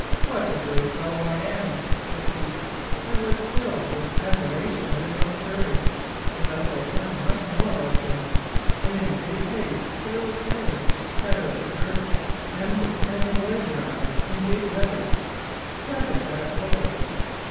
"What a brave fellow I am!" said he, and was filled with admiration at his own courage. "The whole town must know about this;" and in great haste the little Tailor cut out a girdle, hemmed it, and embroidered on it in big letters, "Seven at a blow."